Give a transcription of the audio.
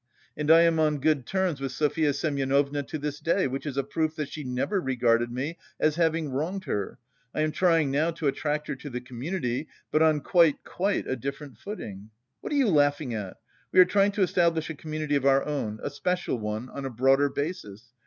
And I am on good terms with Sofya Semyonovna to this day, which is a proof that she never regarded me as having wronged her. I am trying now to attract her to the community, but on quite, quite a different footing. What are you laughing at? We are trying to establish a community of our own, a special one, on a broader basis.